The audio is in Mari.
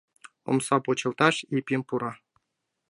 Омса почылташ, Епим пура.